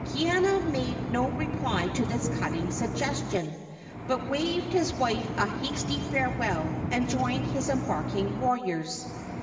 Kaiana made no reply to this cutting suggestion, but waved his wife a hasty farewell, and joined his embarking warriors.